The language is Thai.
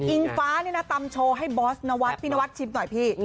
ฟ้านี่นะตำโชว์ให้บอสนวัฒน์พี่นวัดชิมหน่อยพี่